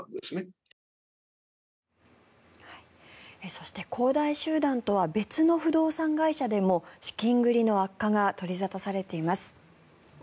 そして、恒大集団とは別の不動産会社でも資金繰りの悪化が取り沙汰されています。